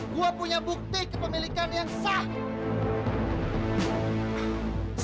gue punya bukti kepemilikan yang sah